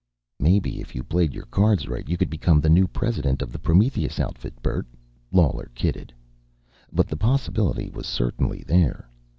"Maybe, if you played your cards right, you could become the new president of the Prometheus outfit, Bert," Lawler kidded. But the possibility was certainly there.